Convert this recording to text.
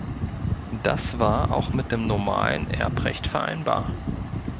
Das war auch mit dem normalen Erbrecht vereinbar.